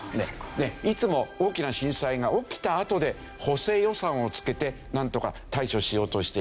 いつも大きな震災が起きたあとで補正予算をつけてなんとか対処しようとしている。